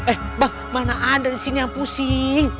eh bang mana ada di sini yang pusing